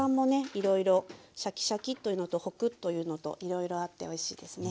いろいろシャキシャキッというのとホクッというのといろいろあっておいしいですね。